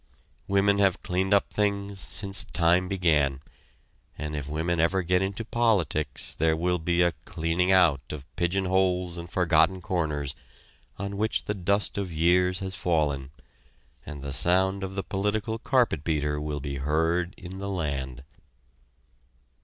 Women have cleaned up things since time began; and if women ever get into politics there will be a cleaning out of pigeon holes and forgotten corners, on which the dust of years has fallen, and the sound of the political carpet beater will be heard in the land.